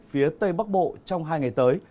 phía tây bắc bộ trong hai ngày tới